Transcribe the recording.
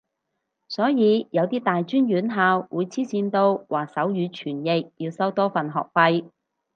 所以有啲大專院校會黐線到話手語傳譯要收多份學費